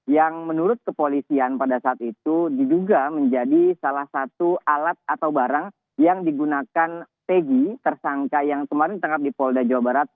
yang menurut kepolisian pada saat itu diduga menjadi salah satu alat atau barang yang digunakan pegi tersangka yang kemarin ditangkap di polda jawa barat